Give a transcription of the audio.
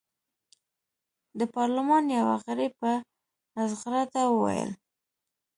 د پارلمان یوه غړي په زغرده وویل.